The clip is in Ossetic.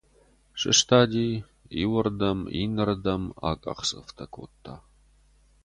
Сыстади, иуӕрдӕм, иннӕрдӕм акъахдзӕфтӕ кодта.